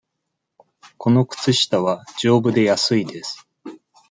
この靴下は、じょうぶで安いです。